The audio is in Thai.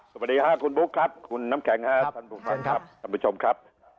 สวัสดีค่ะคุณบุ๊คครับคุณน้ำแข็งฮะท่านผู้ชมครับ